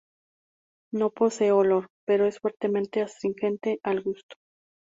No posee olor, pero es fuertemente astringente al gusto.